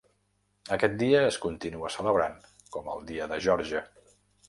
Aquest dia es continua celebrant com el Dia de Geòrgia.